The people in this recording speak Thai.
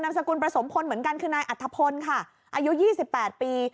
นำสกุลประสงค์พลเหมือนกันคือนายอัทธพลค่ะอายุยี่สิบแปดปี